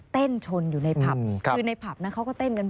เต้นชนอยู่ในพัพคือในพัพเขาก็เต้นกัน